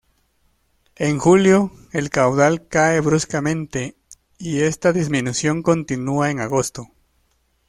En julio, el caudal cae bruscamente y esta disminución continúa en agosto.